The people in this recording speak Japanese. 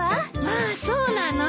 まあそうなの？